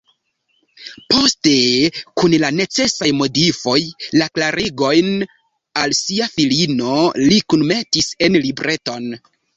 Poste, kun la necesaj modifoj, la klarigojn al sia filino li kunmetis en libreton.